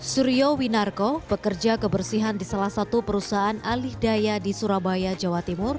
suryo winarko pekerja kebersihan di salah satu perusahaan alih daya di surabaya jawa timur